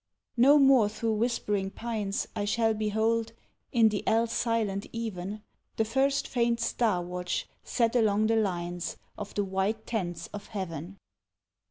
No more through whispering pines, I shall behold, in the else silent even, The first faint star watch set along the lines Of the white tents of heaven.